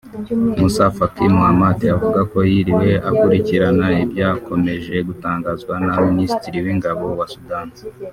Moussa Faki Mahamat avuga ko yiriwe akurikirana ibyakomeje gutangazwa na Minisitiri w’Ingabo wa Sudan